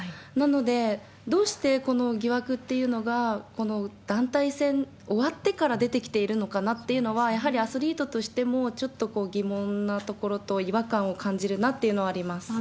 なので、どうしてこの疑惑っていうのが、この団体戦終わってから出てきているのかなっていうのは、やはりアスリートとしても、ちょっと疑問なところと違和感を感じるなっていうのはあります。